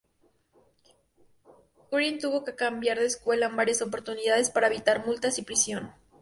Gwyn tuvo que cambiar de escuela en varias oportunidades para evitar multas y prisión.